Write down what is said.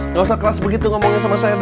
gak usah keras begitu ngomongin sama saya dang